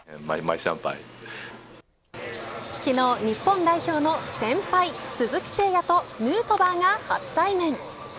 昨日、日本代表の先輩鈴木誠也とヌートバーが初対面。